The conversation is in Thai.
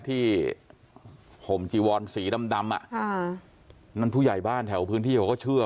ห่มจีวอนสีดำดำอ่ะค่ะนั่นผู้ใหญ่บ้านแถวพื้นที่เขาก็เชื่อ